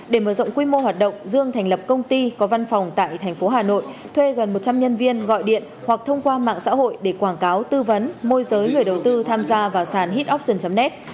để mở rộng quy mô hoạt động dương thành lập công ty có văn phòng tại thành phố hà nội thuê gần một trăm linh nhân viên gọi điện hoặc thông qua mạng xã hội để quảng cáo tư vấn môi giới người đầu tư tham gia vào sàn hepopsion net